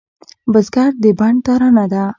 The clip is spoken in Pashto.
بزګر د بڼ ترانه ده